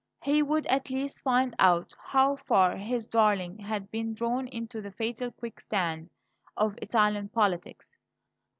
He would at least find out how far his darling had been drawn into the fatal quicksand of Italian politics.